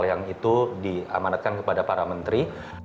yang itu diamanatkan kepada para menteri